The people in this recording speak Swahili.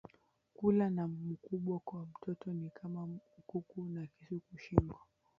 Kula na mukubwa kwa mtoto ni kama nkuku na kisu ku shingo